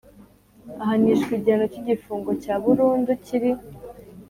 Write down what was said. Ahanishwa igihano cy igifungo cya burundu kiri